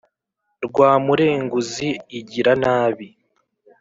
Rwamurenguzi igira nabi